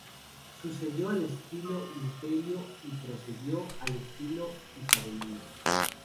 Sucedió al estilo Imperio y precedió al estilo isabelino.